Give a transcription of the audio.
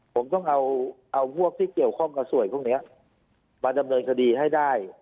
ผมต้องเอาพวกที่เกี่ยวข้องกับสวยพวกนี้มาดำเนินคดีให้ได้